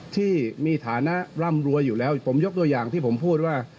ที่มีฐานะร่ำรวยอยู่แล้วผมยกตัวอย่างที่ผมพูดว่า